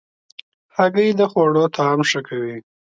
هګۍ د خوړو طعم ښه کوي.